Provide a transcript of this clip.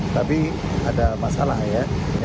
tapi ada masalah ya